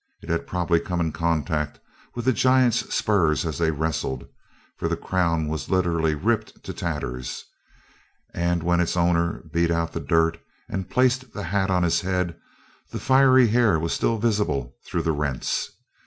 It had probably come in contact with the giant's spurs as they wrestled, for the crown was literally ripped to tatters. And when its owner beat out the dirt and placed the hat on his head, the fiery hair was still visible through the rents.